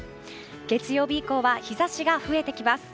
月曜日以降は日差しが増えてきます。